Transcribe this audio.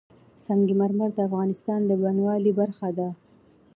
سنگ مرمر د افغانستان د بڼوالۍ برخه ده.